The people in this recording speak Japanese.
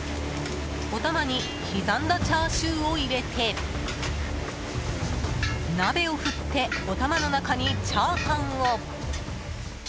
おたまに刻んだチャーシューを入れて鍋を振っておたまの中にチャーハンを。